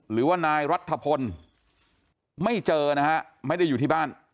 หรือว่านายรัฐพลไม่เจอนะฮะไม่ได้อยู่ที่บ้าน